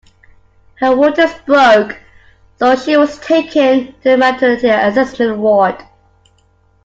Her waters broke so she was taken to the maternity assessment ward.